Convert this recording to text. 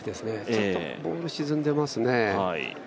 ちょっとボール沈んでますね。